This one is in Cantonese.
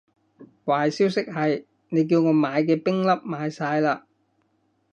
壞消息係，你叫我買嘅冰粒賣晒喇